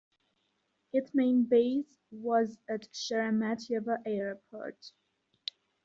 Its main base was at Sheremetyevo Airport.